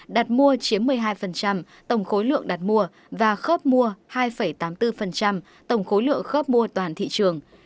đặt mua chiếm một mươi hai tổng khối lượng đặt mua và khớp mua hai tám mươi bốn tổng khối lượng khớp mua toàn thị trường